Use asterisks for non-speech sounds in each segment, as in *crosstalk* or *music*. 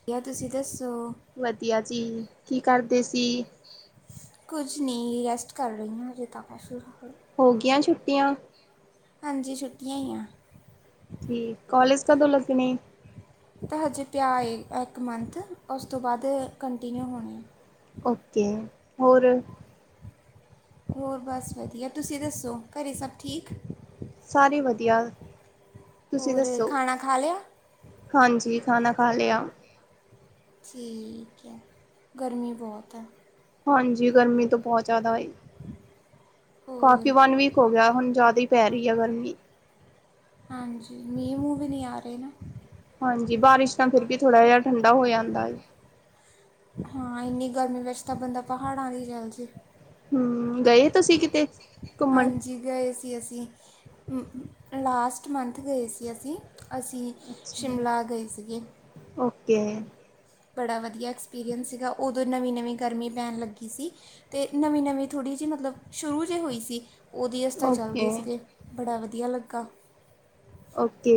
ਵਧੀਆ ਤੁਸੀਂ ਦੱਸੋ? ਵਧੀਆ ਜੀ ਕੀ ਕਰਦੇ ਸੀ? ਕੁੱਝ ਨੀ ਰੈਸਟ ਕਰ ਰੀ ਹਜੇ ਤਾਂ ਮੈ ਸ਼ੁਰੂ ਹੋਗੀਆਂ ਛੁੱਟੀਆਂ। ਹਾਂਜੀ ਛੁੱਟੀਆਂ ਈ ਆ। ਠੀਕ ਕਾਲੇਜ ਕਦੋਂ ਲੱਗਣੇ। ਤਾਂ ਹਜੇ ਪਿਆ ਏ ਇੱਕ ਮਨਥ ਉਸ ਤੋਂ ਬਾਅਦ ਕੰਟੀਨਿਊ ਹੋਣੀ। ਓਕੇ ਹੋਰ? ਹੋਰ ਬਸ ਵਧੀਆ ਤੁਸੀਂ ਦੱਸੋ ਘਰੇ ਸਭ ਠੀਕ? ਸਾਰੀ ਵਧੀਆ, ਤੁਸੀਂ ਹੋਰ ਦੱਸੋ? ਖਾਣਾ ਖਾ ਲਿਆ ਹਾਂਜੀ ਖਾਣਾ ਖਾ ਲੇਆ। ਠੀਕ ਐ, ਗਰਮੀਂ ਬਹੁਤ ਐ। ਹਾਂਜੀ ਗਰਮੀਂ ਤਾਂ ਬਹੁਤ ਜਾਦਾ ਏ। ਕਾਫੀ ਹੋਰ ਵਨ ਵੀਕ ਹੋ ਗਿਆ ਹੁਣ ਯਾਦੀ ਹੀ ਪੈ ਰਈ ਆ ਗਰਮੀਂ ਹਾਂਜੀ ਮੀਂ ਮੂ ਵੀ ਨੀ ਆ ਰਏ ਨਾ ਹਾਂਜੀ ਬਾਰਿਸ਼ ਤਾਂ ਫੇਰ ਵੀ ਥੋੜਾ ਜੇਆ ਠੰਡਾ ਹੋ ਜਾਂਦਾ ਏ। ਹਾਂ ਏਨੀ ਗਰਮੀਂ ਵੇਚ ਤਾਂ ਬੰਦਾ ਪਹਾੜਾਂ *unintelligible* ਹੂੰ ਗਏ ਤੁਸੀਂ ਕੀਤੇ? ਹਾਂਜੀ ਗਏ ਸੀ ਅਸੀਂ, ਲਾਸਟ ਮੰਥ ਗਏ ਸੀ ਅਸੀਂ-ਅਸੀਂ ਅੱਛਾ ਸ਼ਿਮਲਾ ਗਏ ਸੀਗੇ ਓਕੇ ਬੜਾ ਵਧੀਆ ਐਕਸਪੀਰੀਅੰਸ ਸੀਗਾ ਉਦੋਂ ਨਵੀਂ-ਨਵੀਂ ਗਰਮੀਂ ਪੈਣ ਲੱਗੀ ਸੀ ਤੇ ਨਵੀਂ-ਨਵੀਂ ਥੋੜੀ ਜੀ ਮਤਲਬ ਸ਼ੁਰੂ ਜੇ ਹੋਈ ਸੀ। ਓਦੋਂ ਈ ਅਸੀ ਤਾਂ ਚੱਲ ਓਕੇ ਗੇ ਸੀਗੇ ਬੜਾ ਵਧੀਆ ਲੱਗਾ। ਓਕੇ।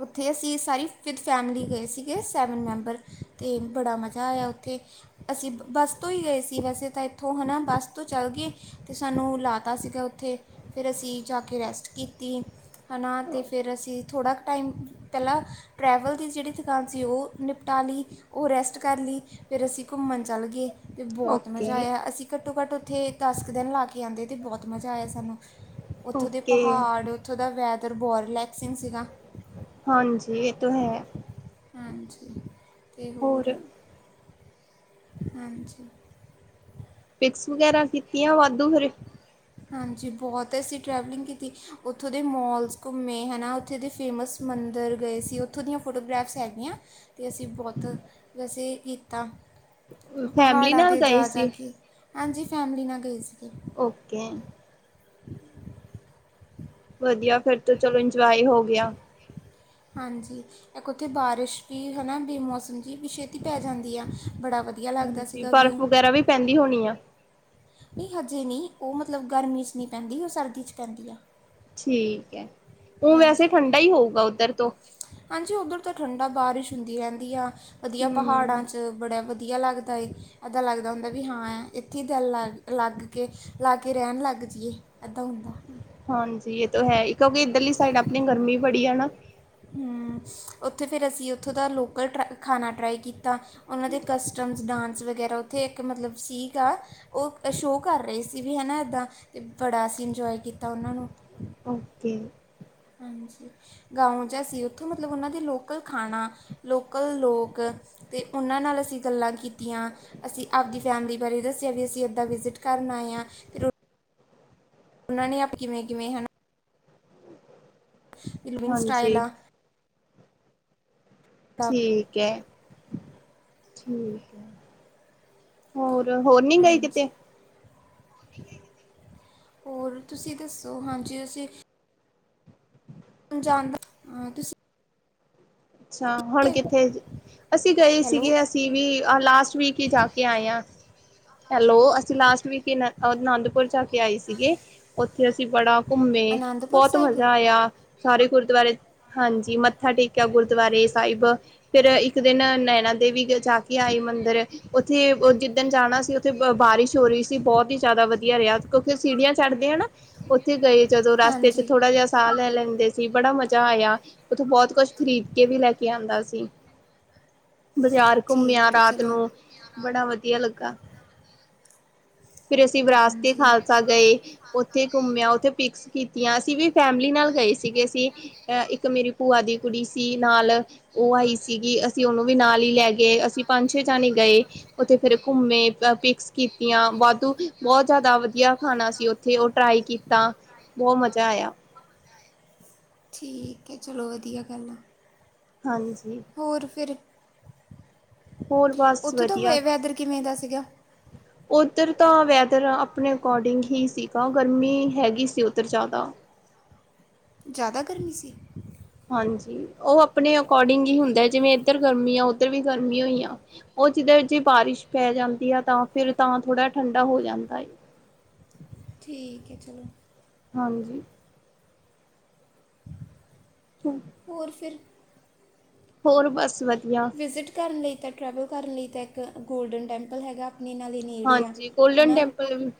ਓਥੇ ਅਸੀਂ ਸਾਰੀ ਵਿਦ ਫੈਮਲੀ ਗਏ ਸੀਗੇ ਸੈਵਨ ਮੈਂਬਰ ਤੇ ਬੜਾ ਮਜ਼ਾ ਆਏਆ ਓਥੇ। ਅਸੀਂ ਬੱਸ ਤੋਂ ਈ ਗਏ ਸੀ ਵੈਸੇ ਤਾਂ ਏਥੋਂ ਹਨਾ ਬੱਸ ਤੋਂ ਚੱਲ ਗੇ ਤੇ ਸਾਨੂੰ ਲਾ ਤਾ ਸੀਗਾ ਓਥੇ ਫੇਰ ਅਸੀਂ ਜਾ ਕੇ ਰੈਸਟ ਕੀਤੀ ਹਨਾ ਤੇ ਫੇਰ ਅਸੀਂ ਥੋੜਾ ਟਾਈਮ ਪੈਲਾਂ ਟਰੈਵਲ ਦੀ ਜੇੜੀ ਥਕਾਨ ਸੀ ਓ ਨਿਪਟਾ ਲੀ ਓ ਰੈਸਟ ਕਰ ਲੀ ਫੇਰ ਅਸੀਂ ਘੁੰਮਣ ਚੱਲ ਗੇ ਤੇ ਬੌਤ ਮਜ਼ਾ ਓਕੇ ਆਏਆ ਅਸੀਂ ਘੱਟੋ-ਘੱਟ ਓਥੇ ਦਸ ਕੁ ਦੇਨ ਲਾ ਕੇ ਆਦੇ ਤੇ ਬੌਤ ਮਜ਼ਾ ਆਏਆ ਸਾਨੂੰ ਓਥੋਂ ਦੇ ਓਕੇ ਪਹਾੜ ਓਥੋਂ ਦਾ ਵੈਦਰ ਬਹੁਤ ਰਿਲੈਕਸਿੰਗ ਸੀਗ ਸੀਗਾ। ਹਾਂਜੀ ਏ ਤੋਂ ਹੈ। ਹਾਂਜੀ ਤੇ ਹੋਰ? ਹਾਂਜੀ। ਪੀਕਸ ਵਗੈਰਾ ਕੀਤੀਆਂ ਵਾਦੂ ਫੇਰ ਹਾਂਜੀ ਬੌਤ ਅਸੀਂ ਟਰੈਵਲਿੰਗ ਕੀਤੀ ਓਥੋਂ ਦੇ ਮੋਲਸ ਘੁੰਮੇ ਹੈ ਨਾ ਓਥੇ ਦੇ ਫੇਮਸ ਮੰਦਰ ਗਏ ਸੀ ਓਥੋਂ ਦੀਆਂ ਫੋਟੋਗ੍ਰਾਫਸ ਹੈਗੀਆਂ ਤੇ ਅਸੀਂ ਬੌਤ ਰਸੇ ਕੀਤਾ। ਫੈਮਲੀ ਪਹਾੜਾਂ ਨਾਲ ਤੇ ਗਏ ਜਾ-ਜਾ ਸੀ। ਕੇ ਹਾਂਜੀ ਫੈਮਲੀ ਨਾਲ ਗਏ ਸੀਗੇ। ਓਕੇ। ਵਧੀਆ ਫੇਰ ਤੋਂ ਚਲੋ ਇੰਜੋਏ ਹੋ ਗੇਆ ਹਾਂਜੀ ਏਕ ਓਥੇ ਬਾਰਿਸ਼ ਵੀ ਹੈ ਨਾ ਬੇਮੌਸਮ ਜੀ ਵੀ ਛੇਤੀ ਪੈ ਜਾਂਦੀ ਆ ਬੜਾ ਵਦੀ ਵਧੀਆ ਲੱਗਦਾ ਹਾਂਜੀ ਸੀਗਾ ਬਰਫ਼ ਵੀਊ ਵਗੈਰਾ ਵੀ ਪੈਂਦੀ ਹੋਣੀ ਆ। ਨੀ ਹਜੇ ਨੀ ਓ ਮਤਲਵ ਗਰਮੀ ਚ ਨੀ ਪੈਂਦੀ ਓ ਸਰਦੀ ਚ ਪੈਂਦੀ ਆ। ਠੀਕ ਐ, ਊ ਹਾਂਜੀ ਵੈਸੇ ਠੰਡਾ ਈ ਹੋਊਗਾ ਓਦਰ ਤੋਂ? ਹਾਂਜੀ ਓਦਰ ਤਾਂ ਠੰਡਾ ਬਾਰੀਸ਼ ਹੁੰਦੀ ਰਹਿੰਦੀ ਆ ਵਧੀਆ ਪਹਾੜਾਂ ਹਮ ਚ ਬੜਾ ਵਧੀਆ ਲੱਗਦਾ ਏ ਏਦਾਂ ਲੱਗਦਾ ਹੁੰਦਾ ਵੀ ਹਾਂ ਏਥੇ ਗੱਲ ਲਾਗ ਲੱਗ ਕੇ ਲਾ ਕੇ ਰੈਣ ਲੱਗ ਜੀਏ ਐਦਾਂ ਹੁੰਦਾ। ਹਾਂਜੀ ਏ ਤੋ ਹੈ ਕਿਉਂਕੀ ਏਦਰਲੀ ਸਾਈਡ ਅਪਣੀ ਗਰਮੀ ਬੜੀ ਆ ਨਾ ਓਥੇ ਫੇਰ ਅਸੀਂ ਓਥੋਂ ਦਾ ਲੋਕਲ ਟਰਾ ਖਾਣਾ ਟਰਾਈ ਕੀਤਾ। ਉਹਨਾਂ ਦੇ ਕਸਟਮਸ ਡਾਂਸ ਵਗੈਰਾ ਉੱਥੇ ਇੱਕ ਮਤਲਬ ਸੀਗਾ ਉਹ ਸ਼ੋਅ ਕਰ ਰਹੇ ਸੀ ਵੀ ਹੈ ਨਾ ਇੱਦਾਂ ਤੇ ਬੜਾ ਅਸੀਂ ਇੰਜੋਏ ਕੀਤਾ ਉਹਨਾਂ ਨੂੰ। ਓਕੇ ਹਾਂਜੀ ਗਾਉਂ ਜੇਹਾ ਸੀ ਉੱਥੋਂ ਮਤਲਬ ਉਹਨਾਂ ਦੇ ਲੋਕਲ ਖਾਣਾ, ਲੋਕਲ ਲੋਕ ਤੇ ਉਹਨਾਂ ਨਾਲ ਅਸੀਂ ਗੱਲਾਂ ਕੀਤੀਆਂ ਅਸੀਂ ਆਪਦੀ ਫੈਮਿਲੀ ਬਾਰੇ ਦੱਸਿਆ ਵੀ ਅਸੀਂ ਇੱਦਾਂ ਵਿਜਿਟ ਕਰਨ ਆਏ ਹਾਂ ਤੇ ਰੋਟੀ ਉਹਨਾਂ ਨੇ ਆਪ ਕਿਵੇਂ- ਕਿਵੇਂ ਹਨ ਇਹ ਲਿਵਿੰਗ ਸਟਾਈਲ ਹਾਂਜੀ ਆ। ਠੀਕ ਹੈ, ਠੀਕ ਹੈ, ਹੋਰ -ਹੋਰ? ਨੀ ਗਏ ਕਿਤੇ ਹਾਂਜੀ ਹੋਰ ਤੁਸੀ ਦੱਸੋ? ਹਾਂਜੀ, ਅਸੀਂ ਜਾਦਾ ਹਾਂ ਤੁਸੀਂ ਅੱਛਾ! ਹੁਣ ਕਿੱਥੇ, ਅਸੀਂ ਗਏ ਹੈਲੋ ਸੀਗੇ ਅਸੀਂ ਵੀ ਲਾਸਟ ਵੀਕ ਹੀ ਜਾ ਕੇ ਆਏ ਹਾਂ। ਹੈਲੋ! ਅਸੀਂ ਲਾਸਟ ਵੀਕ ਅਨੰਦਪੁਰ ਚ -ਆਏ ਸੀਗੇ ਉੱਥੇ ਅਸੀਂ ਬੜਾ ਘੁੰਮੇ, ਅਨੰਦਪੁਰ ਬਹੁਤ ਸਾਹਿਬ ਮਜ਼ਾ ਆਇਆ। ਸਾਰੇ ਗੁਰਦੁਆਰੇ। ਹਾਂਜੀ, ਮੱਥਾ ਟੇਕਿਆ ਗੁਰਦੁਆਰੇ ਸਾਹਿਬ ਫਿਰ ਇੱਕ ਦਿਨ ਨੈਣਾ ਦੇਵੀ ਜਾ ਕੇ ਆਏ ਮੰਦਿਰ ਉੱਥੇ ਜਿੱਦਣ ਜਾਣਾ ਸੀ, ਉੱਥੇ ਬਾਰਿਸ਼ ਹੋ ਰਹੀ ਸੀ ਬਹੁਤ ਹੀ ਜ਼ਿਆਦਾ ਵਧੀਆ ਰਿਹਾ। ਕਿਉਕਿ ਸੀੜੀਆਂ ਚੜਦੇ ਆ ਨਾ। ਉੱਥੇ ਗਏ ਜਦੋਂ ਰਸਤੇ 'ਚ ਹਾਂਜੀ ਥੋੜਾ ਜਿਹਾ ਸਾਹ ਲੈ ਲੈਂਦੇ ਸੀ ਬੜਾ ਮਜ਼ਾ ਆਇਆ। ਉੱਥੋਂ ਬਹੁਤ ਕੁੱਛ ਖ ਕੇ ਵੀ ਲੈ ਕੇ ਆਉਂਦਾ ਸੀ। ਬਜ਼ਾਰ ਘੁੰਮਿਆ ਠੀਕ ਹੈ ਰਾਤ ਚਲੋ ਨੂੰ, ਬੜਾ ਵਧੀਆ ਲੱਗਾ। ਫਿਰ ਅਸੀਂ ਵਿਰਾਸਤੇ ਹਾਂਜੀ। ਖਾਲਸਾ ਗਏ। ਉੱਥੇ ਘੁੰਮਿਆ ਉੱਥੇ ਪਿਕਸ ਕੀਤੀਆਂ, ਅਸੀਂ ਵੀ ਫੈਮਲੀ ਨਾਲ ਗਏ ਸੀਗੇ ਅਸੀਂ। ਅ ਇੱਕ ਮੇਰੀ ਭੂਆ ਦੀ ਕੁੜੀ ਸੀ ਨਾਲ, ਉਹ ਆਈ ਸੀਗੀ। ਅਸੀਂ ਉਹਨੂੰ ਵੀ ਨਾਲ ਹੀ ਲੈ ਗਏ। ਅਸੀਂ ਪੰਜ- ਛੇ ਜਣੇ ਗਏ ਉੱਥੇ ਫੇਰ ਘੁੰਮੇ ਪਿਕਸ- ਕੀਤੀਆਂ ਵਾਧੂ। ਬਹੁਤ ਜ਼ਿਆਦਾ ਵਧੀਆ ਖਾਣਾ ਸੀ ਉੱਥੇ, ਉਹ ਟਰਾਈ ਕੀਤਾ। ਬਹੁਤ ਮਜ਼ਾ ਆਇਆ। ਠੀਕ ਹੈ, ਚਲੋ ਵਧੀਆ ਗੱਲ ਐ। ਹਾਂਜੀ। ਹੋਰ ਫਿਰ? ਹੋਰ ਬਸ ਉੱਥੋਂ ਦਾ ਵੇ ਵਧੀਆ ਵੈਦਰ ਕਿਵੇਂ ਦਾ ਸੀਗਾ? ਉੱਧਰ ਤਾਂ ਵੈਦਰ ਆਪਣੇ ਅਕੋਡਿੰਗ ਹੀ ਸੀਗਾ, ਗਰਮੀ ਹੈਗੀ ਸੀ ਉੱਧਰ ਜ਼ਿਆਦਾ। ਜ਼ਿਆਦਾ ਗਰਮੀ ਸੀ? ਹਾਂਜੀ, ਉਹ ਆਪਣੇ ਅਕੋਰਡਿੰਗ ਹੀ ਹੁੰਦਾਏ, ਜਿਵੇਂ ਇੱਧਰ ਗਰਮੀ ਆ ਉੱਧਰ ਵੀ ਗਰਮੀ ਓਹੀ ਆ। ਉਹ ਜਿੱਦਰ ਜੇ ਬਾਰਿਸ਼ ਪੈ ਜਾਂਦੀ ਆ, ਤਾਂ ਫ਼ਿਰ ਤਾਂ ਥੋੜ੍ਹਾ ਜਾ ਠੰਢਾ ਹੋ ਜਾਂਦਾ ਏ। ਠੀਕ ਹੈ ਚਲੋ ਹਾਂਜੀ। ਹਮ *inaudible* ਹੋਰ ਫਿਰ ਹੋਰ ਬਸ ਵਧੀਆ। ਵਿਜ਼ਿਟ ਕਰਨ ਲਈ ਤਾਂ ਟਰੈਵਲ ਕਰਨ ਲਈ ਤਾਂ ਇੱਕ ਗੋਲਡਨ ਟੈਂਪਲ ਹੈਗਾ ਇਨਾਂ ਦੇ ਨੇੜੇ ਆ, ਹਾਂਜੀ ਗੋਲਡਨ ਹਨਾ। ਟੈਂਪਲ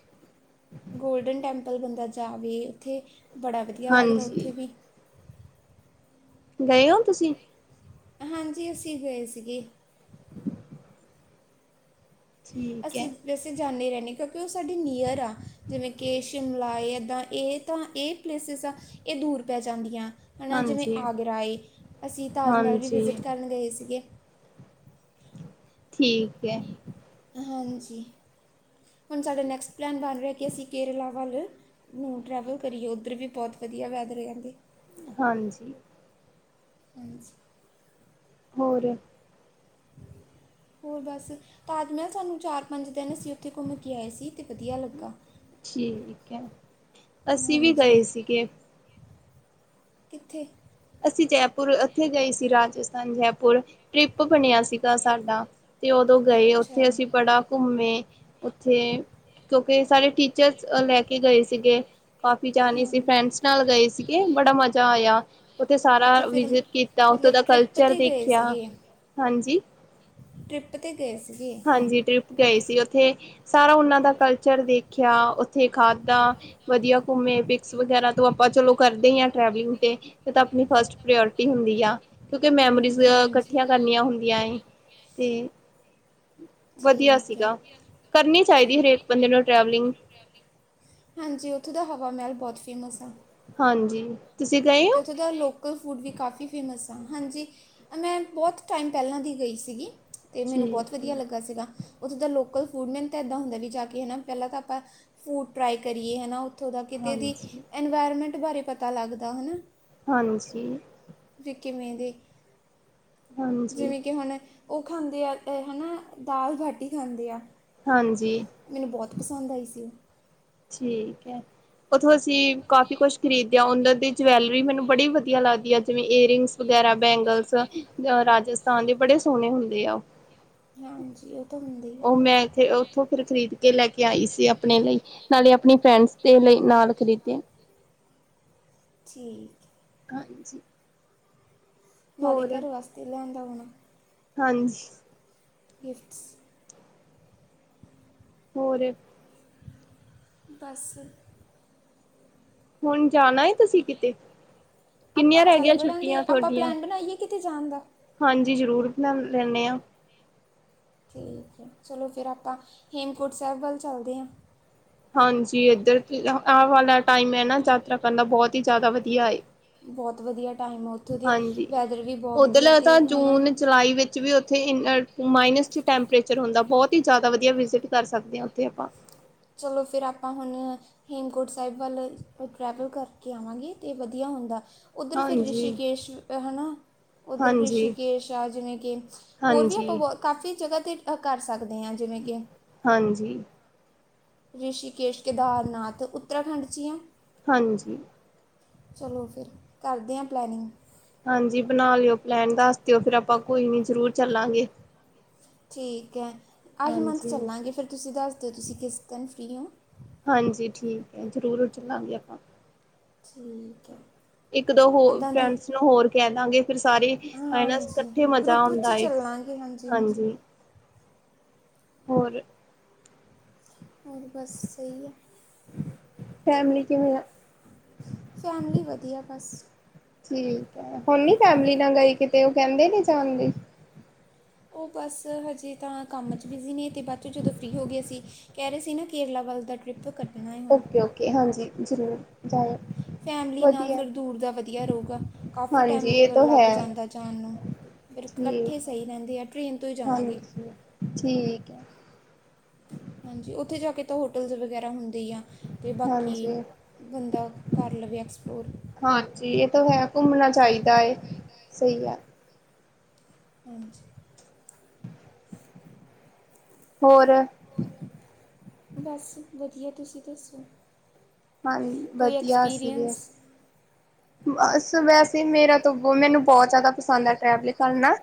ਗੋਲਡਨ ਟੈਂਪਲ ਬੰਦਾ ਜਾਵੇ, ਉੱਥੇ ਬੜਾ ਵਧੀਆ ਲੱਗਦਾ ਹਾਂਜੀ ਉੱਥੇ ਵੀ। ਗਏ ਓ ਤੁਸੀਂ? ਹਾਂਜੀ ਅਸੀਂ ਗਏ ਸੀਗੇ। ਠੀਕ ਹੈ ਅਸੀਂ ਵੀ ਅਸੀਂ ਜਾਨੇ ਰਹਿਨੇ ਆ ਕਿਉਂਕਿ ਓ ਸਾਡੇ ਨੀਅਰ ਆ, ਜਿਵੇਂ ਕਿ ਸ਼ਿਮਲਾ ਜਾ ਏਦਾਂ ਏ ਤਾਂ ਏ ਪਲੇਸਿਸ ਆ ਇਹ ਦੂਰ ਪੈ ਜਾਂਦੀਆਂ। ਹਨਾ ਜਿਵੇਂ ਹਾਂਜੀ ਆਗਰਾ ਏ, ਅਸੀਂ ਤਾਜ ਮਹਿਲ ਵੀ ਹਾਂਜੀ ਵਿਜਿਟ ਕਰਨ ਗਏ ਸੀਗੇ। ਠੀਕ ਐ। ਹਾਂਜੀ, ਹੁਣ ਸਾਡਾ ਨੈਕਸਟ ਪਲੈਨ ਬਣ ਰਿਆ ਕਿ ਅਸੀਂ ਕੇਰਲਾ ਵੱਲ ਨੂੰ ਟਰੈਵਲ ਕਰੀਏ, ਉੱਧਰ ਵੀ ਬਹੁਤ ਵਧੀਆ ਵੈਦਰ ਐ ਕਹਿੰਦੇ। ਹਾਂਜੀ। ਹਾਂਜੀ। ਹੋਰ ਹੋਰ ਬਸ ਤਾਜ ਮਹਿਲ ਸਾਨੂੰ ਚਾਰ ਪੰਜ ਦਿਨ ਅਸੀਂ ਉੱਥੇ ਘੁੰਮ ਕੇ ਆਏ ਸੀ ਤੇ ਵਧੀਆ ਲੱਗਾ। ਠੀਕ ਅਸੀਂ ਵੀ ਹਾਂਜੀ ਗਏ ਸੀਗੇ। ਕਿੱਥੇ? ਅਸੀਂ ਜੈਪੁਰ ਉੱਥੇ ਗਏ ਸੀ, ਰਾਜਸਥਾਨ ਜੈਪੁਰ ਟ੍ਰਿਪ ਬਣਿਆ ਸੀਗਾ ਸਾਡਾ। ਤੇ ਉਦੋਂ ਗਏ ਅੱਛਾ ਉੱਥੇ ਅਸੀਂ ਬੜਾ ਘੁੰਮੇ ਉੱਥੇ ਕਿਉਂਕਿ ਸਾਡੇ ਟੀਚਰਸ ਅ ਲੈ ਕੇ ਗਏ ਸੀਗੇ। ਕਾਫੀ ਜਾਣੇ ਸੀ ਹਾਂਜੀ ਫਰੈਂਡਸ ਨਾਲ ਗਏ ਸੀਗੇ ਬੜਾ ਮਜ਼ਾ ਆਇਆ। ਉੱਥੇ ਸਾਰਾ ਅੱਛਾ ਫਿਰ, ਵਿਜਿਟ ਕੀਤਾ ਉੱਥੋਂ ਮਤਲਬ ਦਾ ਟ੍ਰਿਪ ਕਲਚਰ ਤੇ ਗਏ ਦੇਖਿਆ ਸੀਗੇ। ਹਾਂਜੀ ਟ੍ਰਿਪ ਤੇ ਗਏ ਸੀ ਜੀ। ਹਾਂਜੀ, ਟ੍ਰਿਪ ਗਏ ਸੀ ਉੱਥੇ ਸਾਰਾ ਉਹਨਾਂ ਦਾ ਕਲਚਰ ਦੇਖਿਆ ਉੱਥੇ ਖਾਧਾ ਵਧੀਆ ਘੁੰਮੇ ਪਿਕਸ ਵਗੈਰਾ ਤੋਂ ਆਪਾਂ ਚਲੋ ਕਰਦੇ ਐ ਟਰੈਵਲਿੰਗ ਤੇ। ਓਤਾਂ ਆਪਣੀ ਫਸਟ ਪ੍ਰੋਰੇਟੀ ਹੁੰਦੀ ਆ, ਕਿਉਂਕਿ ਮੈਮੋਰੀਜ਼ ਹਾਂਜੀ ਇਕੱਠੀਆਂ ਕਰਨੀਆਂ ਹੁੰਦੀਆਂ ਐ। ਤੇ ਵਧੀਆ ਠੀਕ ਹੈ ਸੀਗਾ ਕਰਨੀ ਚਾਹੀਦੀ ਅਤੇ ਏ ਹਰੇਕ ਬੰਦੇ ਨੂੰ ਟਰੈਵਲਿੰਗ। ਹਾਂਜੀ ਉੱਥੋਂ ਦਾ ਹਵਾ ਮਹਿਲ ਬਹੁਤ ਫੇਮਸ ਆ। ਹਾਂਜੀ। ਤੁਸੀਂ ਗਏ ਤੇ ਹੋ ਉੱਥੇ ਤਾਂ ਲੋਕ ਲ ਫੂਡ ਵੀ ਕਾਫੀ ਫੇਮਸ ਆਾਂ, ਹਾਂਜੀ ਮੈਂ ਬਹੁਤ ਟਾਈਮ ਪਹਿਲਾਂ ਦੀ ਗਈ ਸੀਗੀ। ਤੇ ਮੈਨੂੰ ਬਹੁਤ ਠੀਕ ਹੈ ਵਧੀਆ ਲੱਗਾ ਸੀਗਾ। ਉੱਥੇ ਦਾ ਲੋਕਲ ਫੂਡ ਮੈਨੂੰ ਤਾਂ ਇੱਦਾਂ ਹੁੰਦਾ ਵੀ ਜਾ ਕੇ ਹਨਾ ਪਹਿਲਾਂ ਤਾਂ ਆਪਾਂ ਫੂਡ ਟਰਾਈ ਕਰੀਏ ਹਨਾ। ਉੱਥੋਂ ਦਾ ਕਿਤੇ ਦੀ ਹਾਂਜੀ ਇਨਵਾਇਰਮੈਂਟ ਬਾਰੇ ਪਤਾ ਲੱਗਦਾ ਹਨਾ। ਹਾਂਜੀ। ਵੀ ਕਿਵੇਂ ਦੇ ਹਾਂਜੀ ਜਿਵੇਂ ਕਿ ਹੁਣ ਓ ਖਾਂਦੇ ਆ ਹਨਾ ਦਾਲ ਬਾਟੀ ਖਾਂਦੇ ਆ। ਹਾਂਜੀ। ਮੈਨੂੰ ਬਹੁਤ ਪਸੰਦ ਆਈ ਸੀ। ਠੀਕ ਐ ਉੱਥੋਂ ਅਸੀਂ ਕਾਫੀ ਕੁਛ ਖਰੀਦਿਆ ਉਨਾਂ ਦੀ। ਜਵੈਲਰੀ ਮੈਨੂੰ ਬੜੀ ਵਧੀਆ ਲੱਗਦੀ ਐ ਜਿਵੇਂ ਏਅਰਿੰਗਸ ਵਗੈਰਾ ਬੈਂਗਲਸ ਰਾਜ ਕਾਂ ਟੇ ਬੜੇ ਸੋਹਣੇ ਹੁੰਦੇ ਆ। ਹਾਂਜੀ। ਤਾਂ ਹੁੰਦੀ ਹੈ ਓ ਮੈਂ ਇਥੇ ਉੱਥੋਂ ਫਿਰ ਖ਼ਰੀਦ ਕੇ ਲੈ ਕੇ ਆਈ ਸੀ ਆਪਣੇ ਲਈ। ਨਾਲੇ ਆਪਣੀ ਫਰੈਂਡਸ ਦੇ ਲਈ ਨਾਲ ਖਰੀਦੇ। ਜੀ। ਹਾਂਜੀ। ਨਾਲੇ ਹੋਰ ਘਰ ਵਾਸਤੇ ਲਿਉਂਦਾ ਹੋਣਾ। ਹਾਂਜੀ। ਗਿਫਟਸ। ਹੋਰ ਬਸ। ਹੁਣ ਜਾਣਾ ਤੁਸੀਂ ਕਿਤੇ। ਆਪਾਂ ਕਿੰਨੀਆਂ ਰਹਿ ਚੱਲ ਗਈਆਂ ਛੁੱਟੀਆਂ ਵੜਾਂਗੇ ਆਪਾਂ ਤੁਹਾਡੀਆਂ। ਪਲਾਨ ਬਣਾਈਏ ਕਿਤੇ ਜਾਣਦਾ। ਹਾਂਜੀ, ਜ਼ਰੂਰ ਬਣਾ ਲੈਂਦੇ ਹਾਂ। ਠੀਕ ਹੈ। ਚਲੋ ਫਿਰ ਆਪਾਂ, ਹੇਮਕੁੰਟ ਸਾਹਿਬ ਵੱਲ ਚੱਲਦੇ ਹਾਂ। ਹਾਂਜੀ। ਇੱਧਰ ਆ ਵਾਲਾ ਟਾਈਮ ਹੈ ਨਾ ਯਾਤਰਾ ਕਰਨਾ ਬਹੁਤ ਹੀ ਜ਼ਿਆਦਾ ਵਧੀਆ। ਬਹੁਤ ਵਧੀਆ ਟਾਈਮ ਆ ਉੱਥੋਂ ਦੀ, ਹਾਂਜੀ। ਵੈਦਰ ਵੀ ਬਹੁਤ ਵਧੀਆ ਉੱਧਰਲਾ ਅਤੇ ਤਾਂ ਹੈ ਨਾ। ਜੂਨ ਜੁਲਾਈ ਵਿੱਚ ਵੀ ਉੱਥੇ ਇਨ ਮਾਈਨਸ 'ਚ ਟੈਂਪਰੇਚਰ ਹੁੰਦਾ ਬਹੁਤ ਹੀ ਜ਼ਿਆਦਾ ਵਧੀਆ ਵਿਜ਼ਿਟ ਕਰ ਸਕਦੇ ਹਾਂ ਉੱਥੇ ਆਪਾਂ। ਚਲੋ ਫਿਰ ਆਪਾਂ ਹੁਣ। ਹੇਮਕੋਟ ਸਾਹਿਬ ਵੱਲ, ਟਰੈਵਲ ਕਰਕੇ ਆਵਾਂਗੇ ਅਤੇ ਵਧੀਆ ਹੁੰਦਾ। ਉੱਧਰ ਫਿਰ ਹਾਂਜੀ ਰਿਸ਼ੀਕੇਸ਼। ਹੈ ਨਾ। ਉੱਧਰ ਹਾਂਜੀ ਰਿਸ਼ੀਕੇਸ਼ ਆ ਜਿਵੇਂ ਕਿ, ਹੋਰ ਵੀ ਆਪਾਂ ਹਾਂਜੀ ਬਹੁਤ ਕਾਫੀ ਜਗ੍ਹਾ 'ਤੇ ਕਰ ਸਕਦੇ ਹਾਂ ਜਿਵੇਂ ਕਿ। ਹਾਂਜੀ। ਰਿਸ਼ੀਕੇਸ਼, ਕੇਦਾਰਨਾਥ ਉਤਰਾਖੰਡ 'ਚ ਹੀ ਆ। ਹਾਂਜੀ। ਚਲੋ ਫਿਰ, ਕਰਦੇ ਹਾਂ ਪਲੈਨਿੰਗ। ਹਾਂਜੀ ਬਣਾ ਲਿਓ ਪਲੈਨ, ਦੱਸ ਦਿਓ ਫਿਰ, ਆਪਾਂ ਕੋਈ ਨੀ ਜਰੂਰ ਚੱਲਾਂਗੇ। ਠੀਕ ਹੈ। ਏਹੀ ਮੰਥ ਹਾਂਜੀ ਚੱਲਾਂਗੇ ਫਿਰ ਤੁਸੀਂ ਦੱਸ ਦਿਓ ਤੁਸੀਂ ਕਿਸ ਦਿਨ ਫਰੀ ਹੋ। ਹਾਂਜੀ। ਠੀਕ ਹੈ ਜ਼ਰੂਰ ਚੱਲਾਂਗੇ ਆਪਾਂ। ਠੀਕ ਹੈ। ਇੱਕ ਦੋ ਹੋ ਇੱਦਾਂ ਦੀ ਫਰੈਂਡਸ ਨੂੰ ਹੋਰ ਕਹਿ ਦਾਂਗੇ ਫਿਰ ਸਾਰੇ ਹੈ ਨਾ ਹਾਂਜੀ ਇਕੱਠੇ ਮਜ਼ਾ ਗਰੁੱਪ ਵਿੱਚ ਆਉਂਦਾ। ਚੱਲਾਂਗੇ ਹਾਂਜੀ। ਹੋਰ ਹੋਰ ਬਸ ਸਹੀ ਹੈ। ਫੈਮਲੀ ਕਿਵੇਂ ਆ? ਫੈਮਲੀ ਵਧੀਆ ਬਸ। ਠੀਕ ਹੈ ਹੁਣ ਨੀ ਫੈਮਿਲੀ ਨਾਲ ਗਈ ਕਿਤੇ ਉਹ ਕਹਿੰਦੇ ਨਹੀਂ ਜਾਣ ਲਈ। ਉਹ ਬਸ ਹਜੇ ਤਾਂ ਕੰਮ 'ਚ ਵਿਜੀ ਨੇ ਅਤੇ ਬਾਅਦ ' ਜਦੋਂ ਫਰੀ ਹੋ ਗਏ ਅਸੀਂ ਕਹਿ ਰਹੇ ਸੀ ਨਾ ਕੇਰਲਾ ਵੱਲ ਦਾ ਟ੍ਰਿਪ ਕੱਢਣਾ ਏ ਹੁਣ। ਏ ਹਾਂਜੀ। ਜ਼ਰੂਰ ਜਾਇਓ। ਫੈਮਿਲੀ ਨਾਲ ਵਧੀਆ ਫਿਰ ਦੂਰ ਦਾ ਵਧੀਆ ਰਹੇਗਾ। ਕਾਫੀ ਹਾਂਜੀ ਇਹ ਟਾਈਮ ਤਾਂ ਹੈ ਲੱਗ ਜਾਂਦਾ ਜਾਣ ਨੂੰ। ਫਿਰ ਇਕੱਠੇ ਠੀਕ ਹੈ ਸਹੀ ਰਹਿੰਦੇ ਆ ਟ੍ਰਰੇਨ ਤੋਂ ਹੀ ਜਾਵਾਂਗੇ। ਹਾਂਜੀ ਠੀਕ ਹੈ। ਹਾਂਜੀ, ਉੱਥੇ ਜਾ ਕੇ ਤਾਂ ਹੋਟਲਸ ਵਗੈਰਾ ਹੁੰਦੇ। ਦੀ ਆ। ਅਤੇ ਬਾਕੀ, ਹਾਂਜੀ ਬੰਦਾ ਕਰ ਲਵੇਿਆ ਐਕਸਪਲੋਰ। ਹਾਂਜੀ। ਇਹ ਤਾਂ ਹੈ ਘੁੰਮਣਾ ਚਾਹੀਦਾ ਹੈ। ਸਹੀ ਗੱਲ। ਹਾਂਜੀ। ਹੋਰ ਬਸ ਵਧੀਆ, ਤੁਸੀਂ ਦੱਸੋ? ਹਾਂ ਕੋਈ ਵਧੀਆ ਅਸੀਂ ਐਕਸਪੀਰੀਅੰਸ। ਵੀ ਬਸ ਵੈਸੇ ਮੇਰਾ ਤੋਂ ਮੈਨੂੰ ਬਹੁਤ ਜ਼ਿਆਦਾ ਪਸੰਦ ਐ ਟ੍ਰੈਵਲ ਕਰਨਾ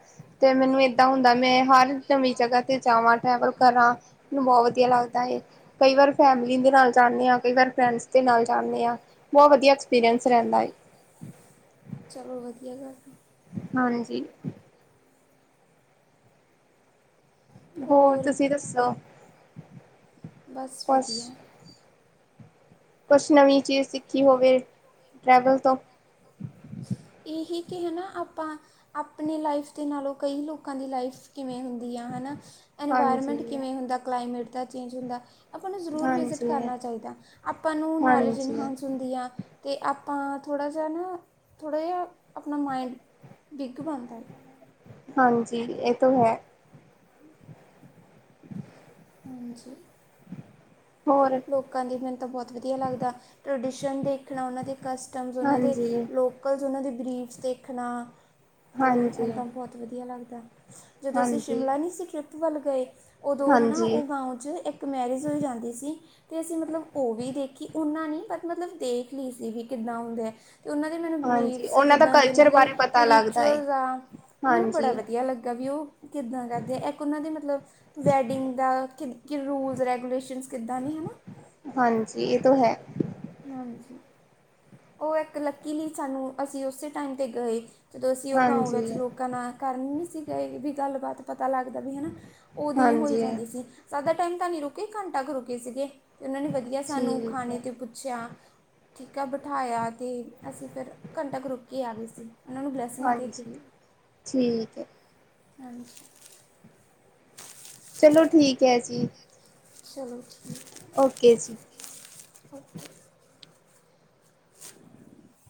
ਤੇ ਮੈਨੂੰ ਏਦਾਂ ਹੁੰਦਾ ਮੈਂ ਹਰ ਨਵੀਂ ਜਗ੍ਹਾ ਤੇ ਜਾਵਾਂ ਟਰੈਵਲ। ਕਰਾਂ ਮੈਨੂੰ ਬਹੁਤ ਵਧੀਆ ਲੱਗਦਾ ਐ ਕਈ ਵਾਰ ਫੈਮਿਲੀ ਦੇ ਨਾਲ ਜਾਣੇ ਆ ਕਈ ਵਾਰ ਫਰੈਂਡਸ ਦੇ ਨਾਲ ਜਾਣੇ ਆ ਬਹੁਤ ਵਧੀਆ ਐਕਸਪੀਰੀਅੰਸ ਰਹਿੰਦਾ ਏ। ਚਲੋ ਵਧੀਆ ਗੱਲ ਐ। ਹਾਂਜੀ। ਹੋਰ ਤੁਸੀਂ ਦੱਸੋ? ਬਸ ਕੁਛ ਵਧੀਆ। ਕੁਛ ਨਵੀਂ ਚੀਜ਼ ਸਿੱਖੀ ਹੋਵੇ ਟਰੈਵਲ ਤੋਂ ਇਹੀ ਕਿ ਹਨਾ ਆਪਾਂ ਆਪਣੀ ਲਾਈਫ ਦੇ ਨਾਲੋਂ ਕਈ ਲੋਕਾਂ ਦੀ ਲਾਈਫ ਕਿਵੇਂ ਹੁੰਦੀ ਆ ਹਨਾਂ। ਹਾਂਜੀ ਇਨਵਾਇਰਮੈਂਟ ਕਿਵੇਂ ਹੁੰਦਾ ਕਲਾਈਮੇਟ ਦਾ ਚੇਂਜ ਹੁੰਦਾ। ਆਪਾਂ ਨੂੰ ਜ਼ਰੂਰ ਵਿਜ਼ਿਟ ਹਾਂਜੀ ਕਰਨਾ ਚਾਹੀਦਾ ਆਪਾਂ ਨੂੰ ਨੌਲੇਜ ਹਾਂਜੀ ਇਨਹਾਂਸ ਹੁੰਦੀ ਆ। ਤੇ ਆਪਾਂ ਥੋੜ੍ਹਾ ਜਾ ਨਾ ਥੋੜ੍ਹਾ ਜਾ ਆਪਣਾ ਮਾਇੰਡ ਬਿੱਗ ਬਣਦਾ। ਹਾਂਜੀ ਏ ਤੋਂ ਹੈ। ਹਾਂਜੀ। ਹੋਰ, ਲੋਕਾਂ ਦੀ ਮੈਨੂੰ ਤਾਂ ਬਹੁਤ ਵਧੀਆ ਲੱਗਦਾ ਟਰਡੀਸ਼ਨ ਦੇਖਣਾ ਉਹਨਾਂ ਦੇ ਕਸਟਮਸ ਉਹਨਾਂ ਦੇ ਹਾਂਜੀ ਲੋਕ *unintelligible* ਉਹਨਾਂ ਦੇ ਬਰੀਫਸ ਦੇਖਣਾ ਤੇ ਹਾਂਜੀ ਏਦਾਂ ਬਹੁਤ ਵਧੀਆ ਲੱਗਦਾ। ਜਦੋਂ ਅਸੀਂ ਹਾਂਜੀ ਸ਼ਿਮਲਾ ਨੀ ਸੀ ਟ੍ਰਿਪ ਵੱਲ ਗਏ ਉਦੋਂ ਹਨਾ ਹਾਂਜੀ ਓ ਗਾਉ 'ਚ ਇੱਕ ਇੱਕ ਮੈਰਿਜ ਹੋਈ ਜਾਂਦੀ ਸੀ। ਤੇ ਅਸੀਂ ਮਤਲਬ ਉਹ ਵੀ ਦੇਖੀ ਓਨਾਂ ਨੀ ਮਤਲਬ ਦੇਖ ਲਈ ਸੀ ਵੀ ਕਿੱਦਾਂ ਹੁੰਦਾ ਏ। ਤੇ ਉਹਨਾਂ ਦੇ ਮੈਨੂੰ ਹਾਂਜੀ ਬਿਲੀਫਸ ਉਹਨਾਂ ਦਾ ਜਿੱਦਾਂ ਦੇ ਉਹਨਾਂ ਕਲਚਰ ਦੇ ਬਾਰੇ ਪਤਾ ਲੱਗਦਾ ਏ ਰਿਚੁਅਲਸ ਆ। ਓ ਮੈਨੂੰ ਬੜਾ ਹਾਂਜੀ ਵਧੀਆ ਲੱਗਾ ਵੀ ਉਹ ਕਿੱਦਾਂ ਕਰਦੇ ਆ ਇੱਕ ਉਹਨਾਂ ਦੇ ਮਤਲਬ ਵੈਡਿੰਗ ਦਾ ਕਿ ਕੀ ਰੂਲਸ ਰੈਗੂਲੇਸ਼ਨਸ ਕਿੱਦਾਂ ਨੇ ਹਨਾ। ਹਾਂਜੀ ਏ ਤੋਂ ਹੈ। ਹਾਂਜੀ, ਓ ਇੱਕ ਲੱਕੀ ਲਈ ਸਾਨੂੰ ਅਸੀਂ ਉਸੇ ਟਾਈਮ ਤੇ ਗਏ। ਜਦੋਂ ਅਸੀਂ ਉਹ ਗਾਉਂ ਹਾਂਜੀ ਵਿੱਚ ਲੋਕਾਂ ਨਾਲ ਕਰਨ ਨੀ ਸੀ ਗਏ ਵੀ ਗੱਲਬਾਤ ਪਤਾ ਲੱਗਦਾ ਵੀ ਹਨਾ। ਉਦੋਂ ਹੀ ਹੋਈ ਹਾਂਜੀ ਜਾਂਦੀ ਸੀ ਜ਼ਿਆਦਾ ਟਾਈਮ ਤਾਂ ਨੀ ਰੁਕੇ ਘੰਟਾ ਕੁ ਰੁਕੇ ਸੀਗੇ ਤੇ ਉਹਨਾਂ ਨੇ ਵੀ। ਵਧੀਆ ਸਾਨੂੰ ਠੀਕ ਖਾਣੇ ਹੈ ਤੇ ਪੁੱਛਿਆ ਠੀਕ ਆ ਬਿਠਾਇਆ ਤੇ ਅਸੀਂ ਫਿਰ ਘੰਟਾ ਕ ਰੁਕ ਕੇ ਆ ਗਏ ਸੀ ਉਹਨਾਂ ਨੂੰ ਬਲੈੱਸ- ਹਾਂਜੀ ਠੀਕ ਐ। ਹਾਂਜੀ। ਚਲੋ ਠੀਕ ਐ ਜੀ। ਚਲੋ ਠੀਕ ਐ। ਓਕੇ ਜੀ। *inaudible* *inaudible*